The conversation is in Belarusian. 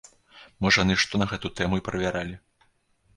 Можа яны што на гэту тэму і правяралі.